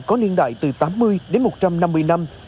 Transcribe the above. có niên đại từ tám mươi đến một trăm năm mươi năm